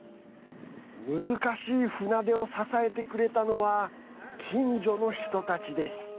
難しい船出を支えてくれたのは近所の人たちです。